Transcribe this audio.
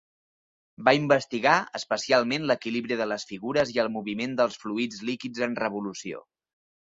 Va investigar especialment l'equilibri de les figures i el moviment dels fluids líquids en revolució.